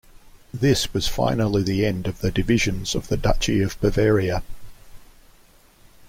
This was finally the end of the divisions of the duchy of Bavaria.